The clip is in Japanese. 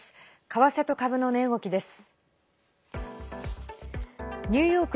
為替と株の値動きです。